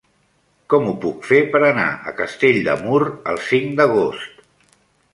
Com ho puc fer per anar a Castell de Mur el cinc d'agost?